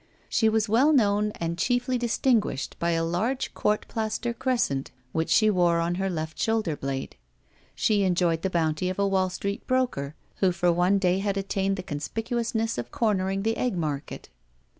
She was well known and chiefly distinguished by a large court plaster crescent which she wore on her left shoulder blade. She enjoyed the bounty of a Wall Street broker who for one day had attained the conspicuousness of cornering the egg market.